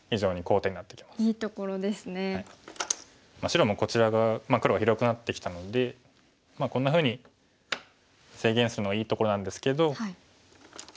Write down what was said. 白もこちら側黒が広くなってきたのでこんなふうに制限するのはいいところなんですけど。